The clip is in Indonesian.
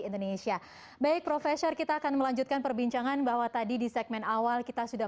dan kita akan melanjutkan perbincangan bahwa tadi di segmen awal kita sudah